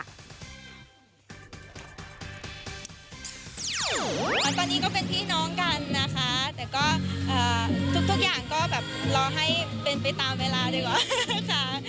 ตอนนี้ก็เป็นพี่น้องกันนะคะแต่ก็ทุกอย่างก็แบบรอให้เป็นไปตามเวลาดีกว่าค่ะ